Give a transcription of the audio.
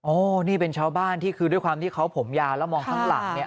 นี่เป็นชาวบ้านที่คือด้วยความที่เขาผมยาวแล้วมองข้างหลังเนี่ย